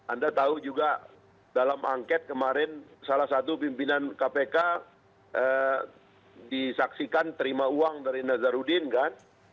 anda tahu juga dalam angket kemarin salah satu pimpinan kpk disaksikan terima uang dari nazarudin kan